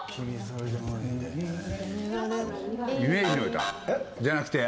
『イメージの詩』じゃなくて。